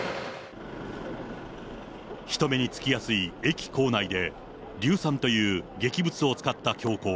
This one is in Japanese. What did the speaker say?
人目につきやすい駅構内で、硫酸という劇物を使った凶行。